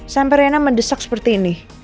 sampai rena mendesak seperti ini